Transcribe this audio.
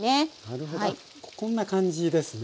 こんな感じですね。